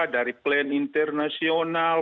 dari plan internasional